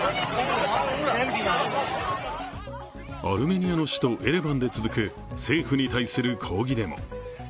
アルメニアの首都エレバンで続く政府に対する抗議デモ。